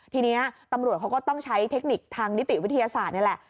ทีนี้ตำรวจเขาก็ต้องใช้เทคนิคทางนิติวิทยาศาสตร์นี่แหละ